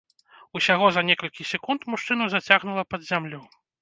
Усяго за некалькі секунд мужчыну зацягнула пад зямлю.